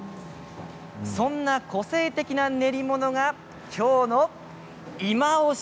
そんな個性的な練り物が今日の、いまオシ！